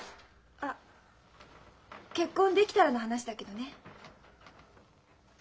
あっ結婚できたらの話だけどね。